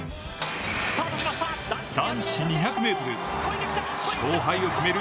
男子２００ｍ勝敗を決める